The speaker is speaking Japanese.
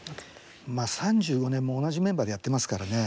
３５年も同じメンバーでやってますからね